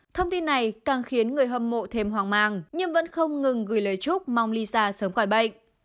thông tin này càng khiến người hâm mộ thêm hoàng màng nhưng vẫn không ngừng gửi lời chúc mong lisa sớm khỏi bệnh